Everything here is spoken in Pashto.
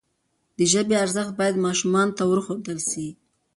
د ژبي ارزښت باید ماشومانو ته وروښودل سي.